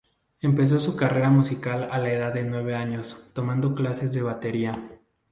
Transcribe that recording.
Empezó su carrera musical a la edad de nueve años, tomando clases de batería.